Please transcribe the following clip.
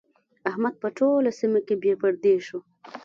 احمد په ټوله سيمه کې بې پردې شو.